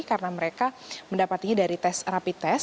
karena mereka mendapatinya dari tes rapi tes